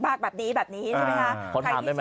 แบบนี้แบบนี้ใช่ไหมคะ